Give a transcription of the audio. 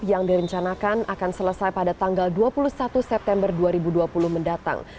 yang direncanakan akan selesai pada tanggal dua puluh satu september dua ribu dua puluh mendatang